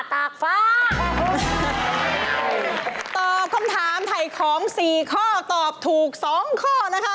ตอบคำถามไถ่ของ๔ข้อตอบถูก๒ข้อนะคะ